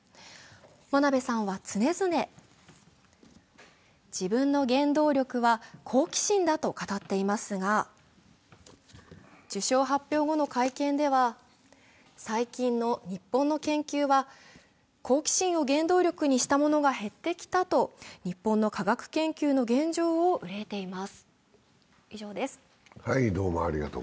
真鍋さんは常々、自分の原動力は好奇心だと語っていますが受賞発表後の会見では、最近の日本の研究は好奇心を原動力にしたものが減ってきたと日本の科学研究の現状を憂えています。